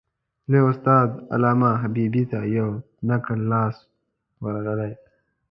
لوی استاد علامه حبیبي ته یو نقل لاس ورغلی.